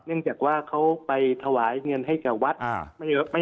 เนื่องจากว่าเขาไปถวายเงินให้เกี่ยววัฒน์